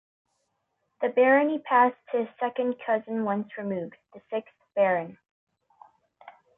The barony passed to his second cousin once removed, the sixth Baron.